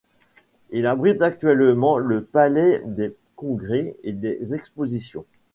Il abrite actuellement le palais des congrès et des expositions.